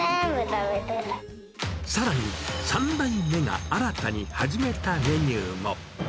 さらに、３代目が新たに始めたメニューも。